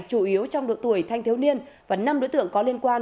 chủ yếu trong độ tuổi thanh thiếu niên và năm đối tượng có liên quan